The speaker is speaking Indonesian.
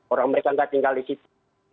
orang mereka tidak tinggal di situ